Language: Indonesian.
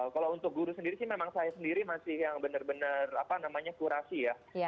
kalau untuk guru sendiri sih memang saya sendiri masih yang benar benar apa namanya kurasi ya